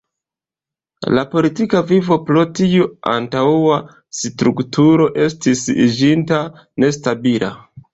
La politika vivo pro tiu antaŭa strukturo estis iĝinta nestabila.